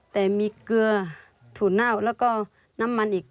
แต่มีเกลือถั่วเน่าแล้วก็น้ำมันอีก